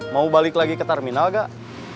mau balik lagi ke terminal gak